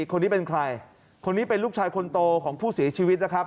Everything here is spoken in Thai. คนนี้เป็นใครคนนี้เป็นลูกชายคนโตของผู้เสียชีวิตนะครับ